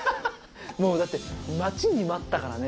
もうだって待ちに待ったからね。